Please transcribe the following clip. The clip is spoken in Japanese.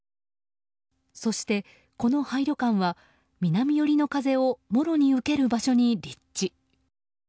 そして、この廃旅館は南寄りの風をもろに受ける場所に立地。